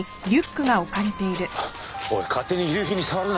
おい勝手に遺留品に触るな！